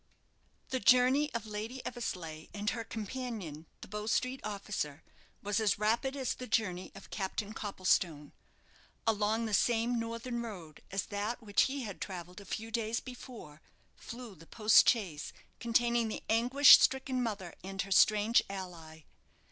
The journey of Lady Eversleigh and her companion, the Bow Street officer, was as rapid as the journey of Captain Copplestone. Along the same northern road as that which he had travelled a few days before flew the post chaise containing the anguish stricken mother and her strange ally.